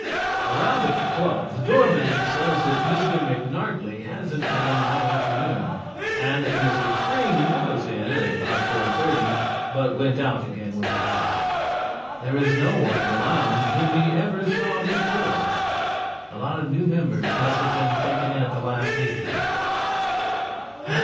Around at the club the doorman says that Mr. McNartly hasn't been in all afternoon and that Mr. Freem was in at about four thirty but went out again with a bag. There is no one in the lounge whom he ever saw before. A lot of new members must have been taken in at the last meeting.